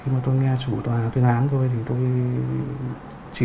đã đưa vụ án ra xét xử